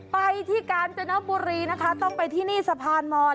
ไปที่กาญจนบุรีนะคะต้องไปที่นี่สะพานมอน